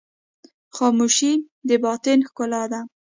خاموشي، د باطن ښکلا ده.